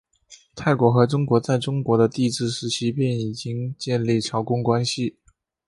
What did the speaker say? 泰国和中国在中国的帝制时期便已经建立朝贡关系。